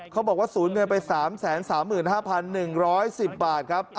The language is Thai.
เขาบอกว่าสูญเงินไป๓๓๕๑๑๐บาทครับ